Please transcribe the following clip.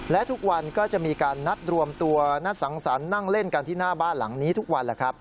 และทุกวันก็จะมีการนัดรวมตัวนัดสังสรรค์นั่งเล่นกันที่หน้าบ้านหลังนี้ทุกวันแหละครับ